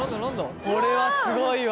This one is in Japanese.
これはすごいわ